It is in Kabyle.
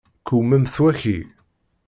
Qewmemt waki.